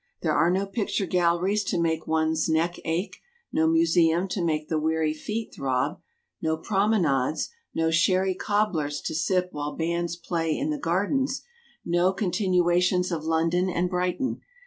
There are no picture galleries to make one's neck ache ; no museum to make the weary feet throb ; no prome nades ; no sherry cobblers to sip while bands play in the gardens ; no continuations of London and Brighton.